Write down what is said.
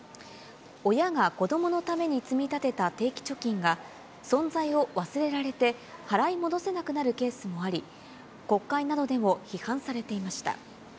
親が子どものために積み立てた定期貯金が、存在を忘れられて払い戻せなくなるケースもあり、国会などでも批判されていました。